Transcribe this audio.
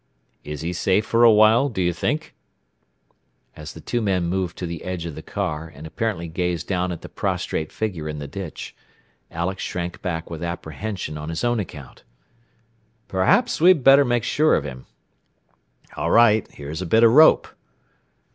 "Is he safe for awhile, do you think?" As the two men moved to the edge of the car and apparently gazed down at the prostrate figure in the ditch, Alex shrank back with apprehension on his own account. "Perhaps we'd better make sure of him." "All right. Here is a bit of rope."